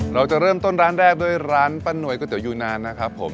เราจะเริ่มต้นร้านแรกด้วยร้านป้านวยก๋ยูนานนะครับผม